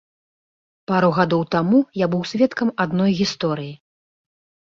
Пару гадоў таму я быў сведкам адной гісторыі.